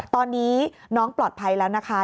ตอนนี้น้องปลอดภัยแล้วนะคะ